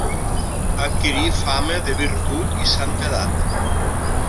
Adquirí fama de virtut i santedat.